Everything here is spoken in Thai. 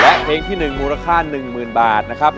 และเพลงที่๑มูลค่า๑๐๐๐บาทนะครับ